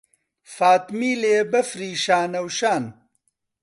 فاتمیلێ بەفری شانەوشان